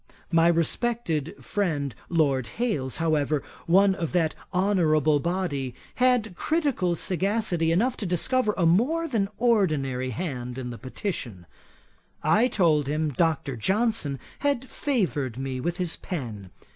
My respected friend Lord Hailes, however, one of that honourable body, had critical sagacity enough to discover a more than ordinary hand in the Petition. I told him Dr. Johnson had favoured me with his pen.